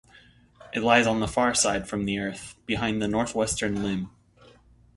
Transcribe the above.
It lies on the far side from the Earth, behind the northwestern limb.